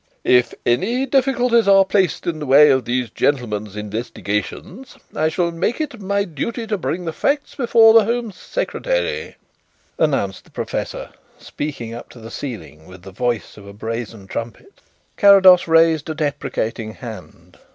"If any difficulties are placed in the way of these gentlemen's investigations, I shall make it my duty to bring the facts before the Home Secretary," announced the professor, speaking up to the ceiling with the voice of a brazen trumpet. Carrados raised a deprecating hand.